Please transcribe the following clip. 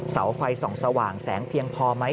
เสาไฟส่องสว่างแสงเพียงพอไหม